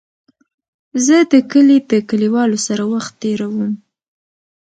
زه د کلي د کليوالو سره وخت تېرووم.